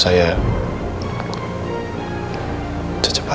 saya harus menikah